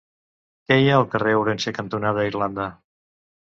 Què hi ha al carrer Ourense cantonada Irlanda?